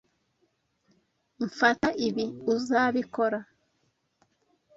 Mfata ibi, uzabikora?